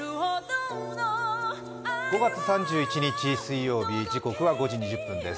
５月３１日水曜日、時刻は５時２０分です。